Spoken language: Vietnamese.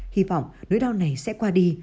hy vọng nỗi đau này sẽ qua đi